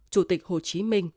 chủ tịch hồ chí minh